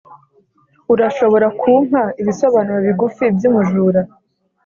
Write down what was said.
urashobora kumpa ibisobanuro bigufi byumujura?